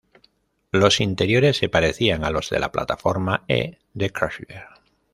Los interiores se parecían a los de la Plataforma E de Chrysler.